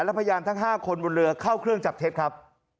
และพยานทั้ง๕คนบนเรือเข้าเครื่องจับเท็จครับ